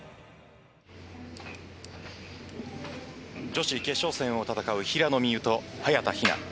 女子決勝戦を戦う平野美宇と早田ひな。